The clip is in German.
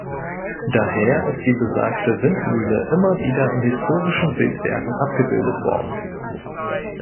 Daher ist die besagte Windmühle immer wieder in historischen Bildwerken abgebildet worden.